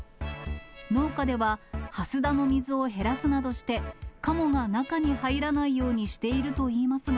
農家では、はす田の水を減らすなどして、カモが中に入らないようにしているといいますが、